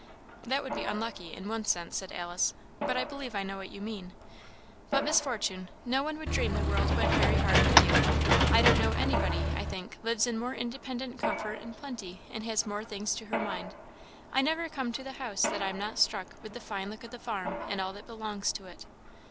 "That would be unlucky, in one sense," said Alice; "but I believe I know what you mean. But, Miss Fortune, no one would dream the world went very hard with you. I don't know anybody, I think, lives in more independent comfort and plenty, and has things more to her mind. I never come to the house that I am not struck with the fine look of the farm, and all that belongs to it."